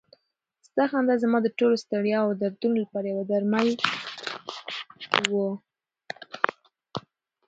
ستا خندا زما د ټولو ستړیاوو او دردونو لپاره یو درمل و.